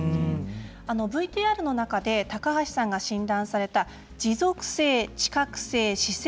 ＶＴＲの中で高橋さんが診断された持続性知覚性姿勢